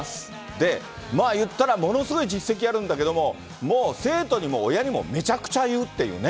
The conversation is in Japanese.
で、言ったらものすごい実績あるんだけれども、もう生徒にも親にもめちゃくちゃ言うっていうね。